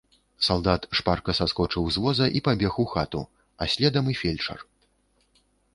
Салдат шпарка саскочыў з воза і пабег у хату, а следам і фельчар.